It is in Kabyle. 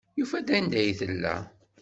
Yufa-d anda ay tella.